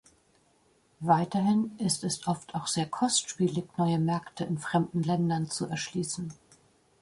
Weiterhin ist es oft auch sehr kostspielig, neue Märkte in fremden Ländern zu erschließen.